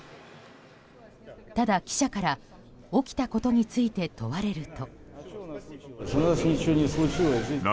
ただ、記者から起きたことについて問われると。